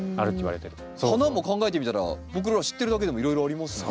花も考えてみたら僕ら知ってるだけでもいろいろありますもんね。